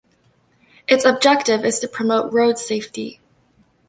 Its objective is to promote road safety.